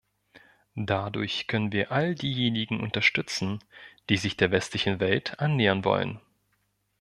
Dadurch können wir all diejenigen unterstützen, die sich der westlichen Welt annähern wollen.